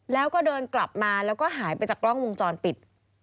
แล้วก็เดินกลับมาแล้วก็หายไปจากกล้องวงจรปิด